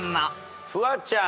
フワちゃん。